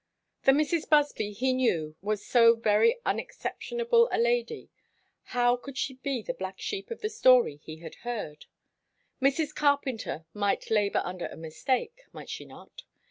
The Mrs. Busby he knew was so very unexceptionable a lady; how could she be the black sheep of the story he had heard? Mrs. Carpenter might labour under a mistake, might she not?